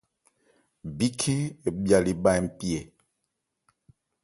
Bíkhɛ́n hɛ bhya le bha npi ɛ.